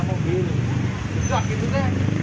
bisa gitu deh